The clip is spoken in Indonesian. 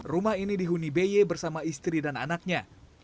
rumah ini dihuni beye bersama istri dan anaknya